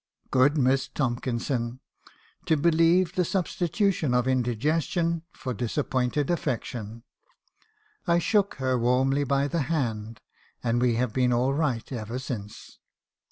u Good Miss Tomkinson ! to believe the substitution of indi gestion for disappointed affection. I shook her warmly by the hand; and we have been all right ever since.